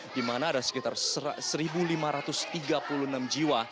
di mana ada sekitar satu lima ratus tiga puluh enam jiwa